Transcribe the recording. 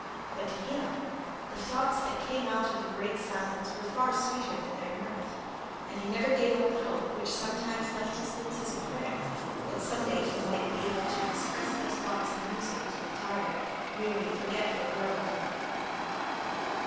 But to him the thoughts that came out of the great silence were far sweeter than their mirth; and he never gave up the hope, which sometimes left his lips as a prayer, that some day he might be able to express those thoughts in music to the tired, weary, forgetful world.